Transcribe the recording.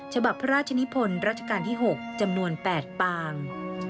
ฉบับพระราชนิพลรัชกาลที่๖จำนวน๘ปาง